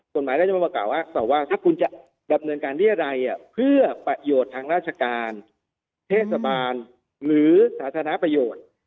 กฎหมายก็จะมาประกาศว่าถ้าคุณจะดำเนินการเรียรัยเพื่อประโยชน์ทางราชการเทศบาลหรือสาธารณประโยชน์